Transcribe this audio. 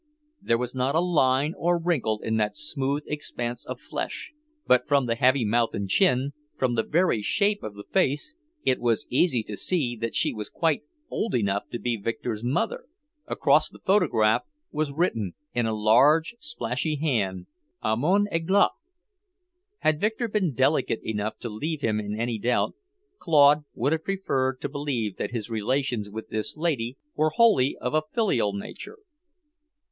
There was not a line or wrinkle in that smooth expanse of flesh, but from the heavy mouth and chin, from the very shape of the face, it was easy to see that she was quite old enough to be Victor's mother. Across the photograph was written in a large splashy hand, 'A mon aigle!' Had Victor been delicate enough to leave him in any doubt, Claude would have preferred to believe that his relations with this lady were wholly of a filial nature.